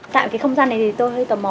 tại cái không gian này tôi hơi tò mò